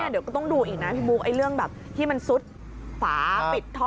เดี๋ยวก็ต้องดูอีกนะพี่บุ๊คเรื่องแบบที่มันซุดฝาปิดท่อ